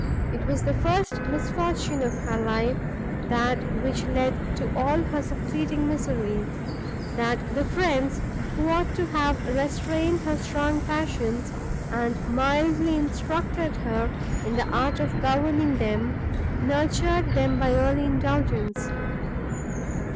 It was the first misfortune of her life, and that which led to all her succeeding misery, that the friends, who ought to have restrained her strong passions, and mildly instructed her in the art of governing them, nurtured them by early indulgence.